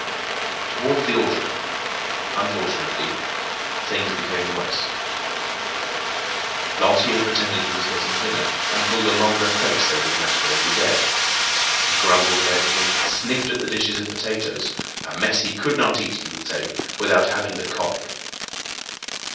Towards the autumn, unfortunately, things became worse. Lantier pretended he was getting thinner, and pulled a longer face over the matter every day. He grumbled at everything, sniffed at the dishes of potatoes—a mess he could not eat, he would say, without having the colic.